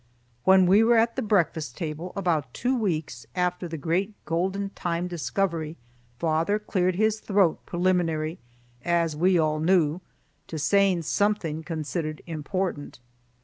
When we were at the breakfast table, about two weeks after the great golden time discovery, father cleared his throat preliminary, as we all knew, to saying something considered important.